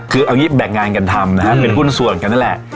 คือเอางี้แบ่งงานกันทำนะฮะเป็นหุ้นส่วนกันนั่นแหละ